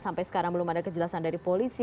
sampai sekarang belum ada kejelasan dari polisi